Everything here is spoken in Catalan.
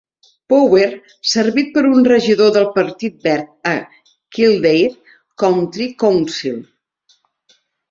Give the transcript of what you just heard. Power, servit per un regidor del Partit Verd a Kildare County Council.